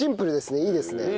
いいですね。